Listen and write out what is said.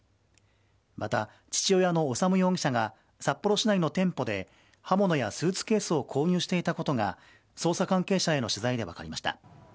また、父親の修容疑者が札幌市内の店舗で刃物やスーツケースを購入していたことが、捜査関係者への取材で分かりました。